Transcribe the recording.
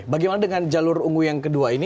bagaimana dengan jalur ungu yang kedua ini